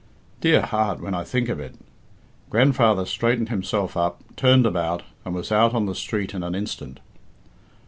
Dear heart when I think of it! Grandfather straightened himself up, turned about, and was out on the street in an instant."